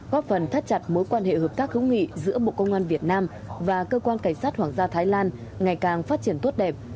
góp phần thắt chặt mối quan hệ hợp tác hữu nghị giữa bộ công an việt nam và cơ quan cảnh sát hoàng gia thái lan ngày càng phát triển tốt đẹp